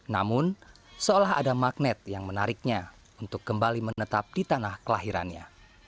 namun seolah ada magnet yang menariknya untuk kembali menetap di tanah kelahirannya